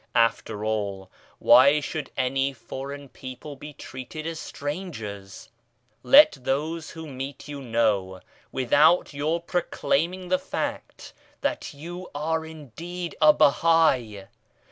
After all, why should any foreign people be treated as strangers ? Let those who meet you know, without your pro claiming the fact, that you are indeed a Bahai.